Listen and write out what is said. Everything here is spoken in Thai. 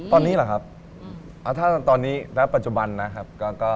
ตอนนี้หรอครับ